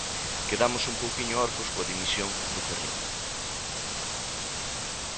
Quedamos un pouquiño orfos coa dimisión de Ferrín.